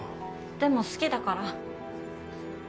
でも好きだから。